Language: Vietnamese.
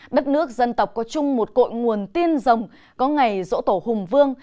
đất nước dân tộc có chung một cội nguồn tiên dòng có ngày rỗ tổ hùng vương